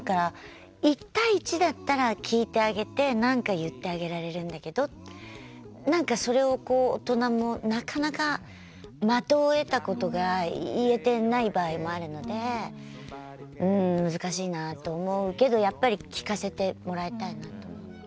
１対１だったら聞いてあげてなんか言ってあげられるんだけどそれを大人もなかなか的をいたことが言えてない場合もあるので難しいなと思うけどやっぱり聞かせてもらいたいなと思う。